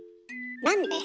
なんで？